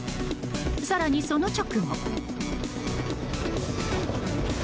更に、その直後。